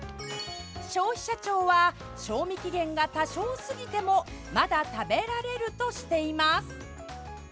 消費者庁は賞味期限が多少過ぎてもまだ食べられるとしています。